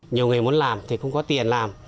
nhiều người muốn làm thì không có tiền làm